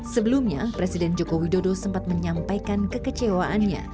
sebelumnya presiden joko widodo sempat menyampaikan kekecewaannya